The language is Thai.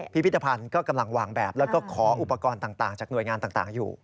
พิพิธภัณฑ์ก็กำลังวางแบบแล้วก็ขออุปกรณ์ต่างจากหน่วยงานต่างอยู่